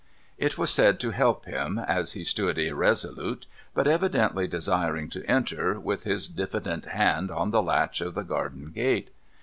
It was said to help him, as he stood irresolute, but evidently desiring to enter, with his diffident hand on the latch of the garden gate.